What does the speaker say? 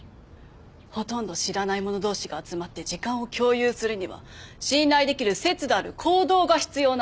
ほとんど知らない者同士が集まって時間を共有するには信頼できる節度ある行動が必要なんです。